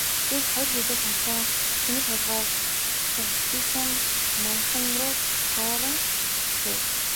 Гэвч хоёр хэсэг тасран, хүний толгой шовсхийсэн манхан руу таран давшив.